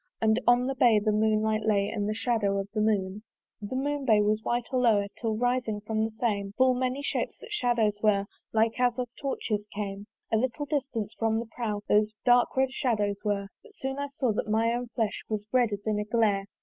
And on the bay the moon light lay, And the shadow of the moon. The moonlight bay was white all o'er, Till rising from the same, Full many shapes, that shadows were, Like as of torches came. A little distance from the prow Those dark red shadows were; But soon I saw that my own flesh Was red as in a glare.